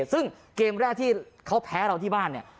ซึ่งเกมแรกที่เขาแพ้เราที่บ้านเนี่ย